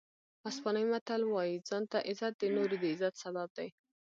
اسپانوي متل وایي ځان ته عزت د نورو د عزت سبب دی.